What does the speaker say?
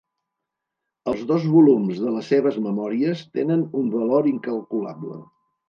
Els dos volums de les seves "Memòries" tenen un valor incalculable.